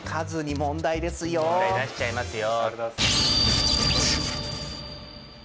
問題出しちゃいますよ。